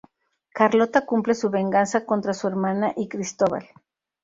Carlota cumple su venganza contra su hermana y Cristóbal.